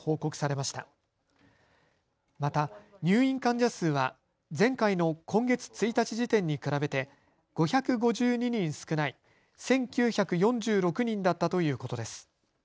また入院患者数は前回の今月１日時点に比べて５５２人少ない１９４６人だったということです。